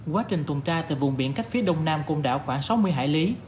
quá trình tuần tra từ vùng biển cách phía đông nam côn đảo khoảng sáu mươi hải lý